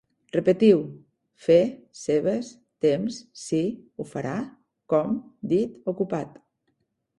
Repetiu: fer, seves, temps, si, ho farà, com, dit, ocupat